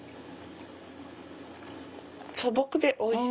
素朴でおいしい。